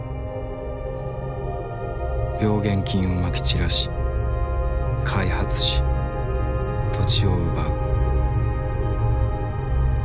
病原菌をまき散らし開発し土地を奪う。